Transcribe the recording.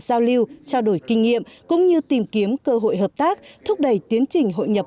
giao lưu trao đổi kinh nghiệm cũng như tìm kiếm cơ hội hợp tác thúc đẩy tiến trình hội nhập